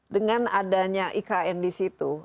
dengan adanya ikn di situ